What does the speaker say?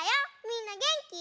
みんなげんき？